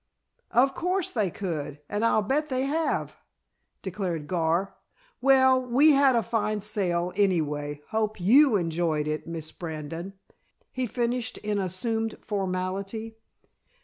"Of course they could, and I'll bet they have," declared Gar. "Well, we had a fine sail, anyway. Hope you enjoyed it, Miss Brandon?" he finished in assumed formality.